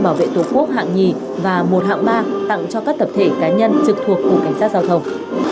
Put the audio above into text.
bảo vệ tổ quốc hạng hai và một hạng ba tặng cho các tập thể cá nhân trực thuộc cục cảnh sát giao thông